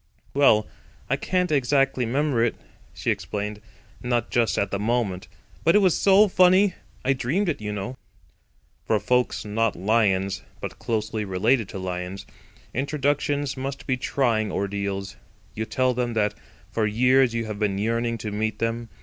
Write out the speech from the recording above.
"Well, I can't exactly 'member it," she explained, "not just at the moment. But it was so funny. I dreamed it, you know." For folks not Lions, but closely related to Lions, introductions must be trying ordeals. You tell them that for years you have been yearning to meet them.